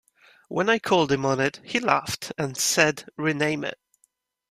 When I called him on it, he laughed and said 'Rename it.